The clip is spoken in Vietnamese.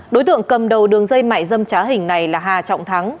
đối tượng cầm đầu đường dây mại dâm trá hình này là hà trọng thắng